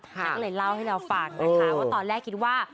แล้วก็เลยเล่าให้เราฟังนะคะว่าตอนแรกคิดว่า